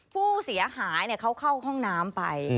ผู้เสียหายเขาเข้าห้องน้ำไป